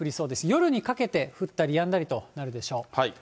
夜にかけて、降ったりやんだりとなるでしょう。